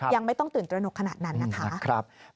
ยังไม่ต้องตื่นตระหนกขนาดนั้นนะคะ